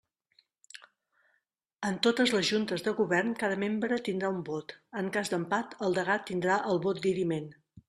En totes les Juntes de Govern cada membre tindrà un vot, en cas d'empat el degà tindrà el vot diriment.